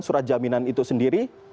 surat jaminan itu sendiri